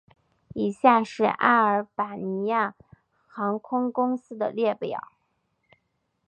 以下是阿尔巴尼亚航空公司的列表